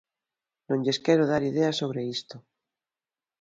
Non lles quero dar ideas sobre isto.